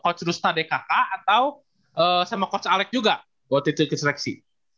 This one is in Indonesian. coach rusna dkk atau sama coach alex juga buat itu ke seleksi